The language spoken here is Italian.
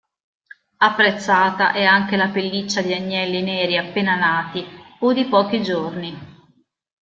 Apprezzata è anche la pelliccia di agnelli neri appena nati o di pochi giorni.